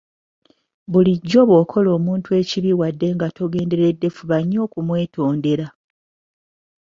Bulijjo bw’okola omuntu ekibi wadde nga togenderedde fuba nnyo okumwetondera.